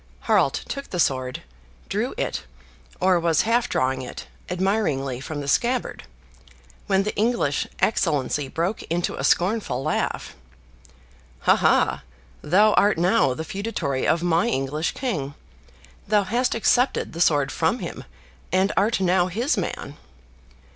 Harald took the sword, drew it, or was half drawing it, admiringly from the scabbard, when the English excellency broke into a scornful laugh, "Ha, ha; thou art now the feudatory of my English king; thou hast accepted the sword from him, and art now his man!"